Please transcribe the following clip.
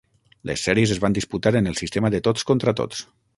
Les sèries es van disputar en el sistema de tots contra tots.